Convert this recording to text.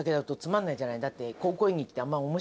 だって。